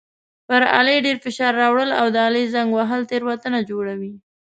پر آلې ډېر فشار راوړل او د آلې زنګ وهل تېروتنه جوړوي.